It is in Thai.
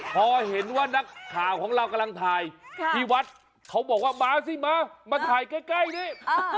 พอเห็นว่านักข่าวของเรากำลังถ่ายที่วัดเขาบอกว่ามาสิมามาถ่ายใกล้นี่